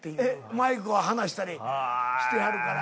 マイクを離したりしてはるから。